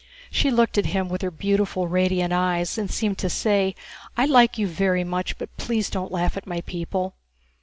She looked at him with her beautiful radiant eyes and seemed to say, "I like you very much, but please don't laugh at my people."